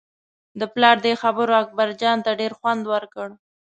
د پلار دې خبرو اکبرجان ته ډېر خوند ورکړ.